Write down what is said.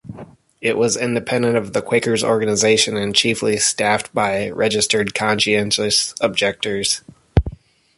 It was independent of the Quakers' organisation and chiefly staffed by registered conscientious objectors.